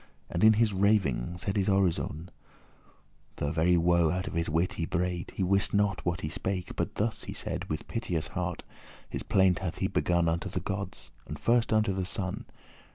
And in his raving said his orisoun.* *prayer For very woe out of his wit he braid;* *wandered He wist not what he spake, but thus he said; With piteous heart his plaint hath he begun Unto the gods, and first unto the Sun.